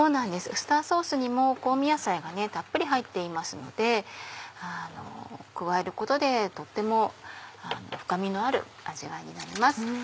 ウスターソースにも香味野菜がたっぷり入っていますので加えることでとっても深みのある味わいになります。